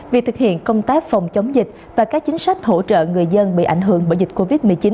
việc thực hiện công tác phòng chống dịch và các chính sách hỗ trợ người dân bị ảnh hưởng bởi dịch covid một mươi chín